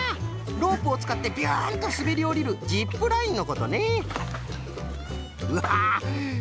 ロープをつかってビュンとすべりおりるジップラインのことね！